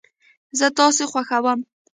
زه تاسو خوښوم